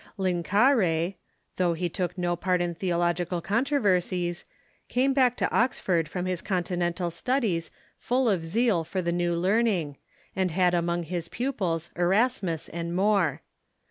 Linacre, though he took no part in theo logical controversies, came back to Oxford from his Continental studies full of zeal for the new learning, and had among his pupils Erasmus and More.